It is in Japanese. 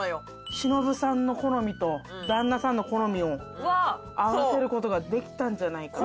しのぶさんの好みと旦那さんの好みを合わせることができたんじゃないかと。